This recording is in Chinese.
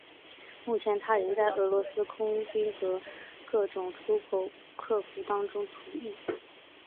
目前它仍在俄罗斯空军和各种出口客户当中服役。